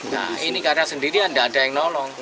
nah ini karena sendirian tidak ada yang nolong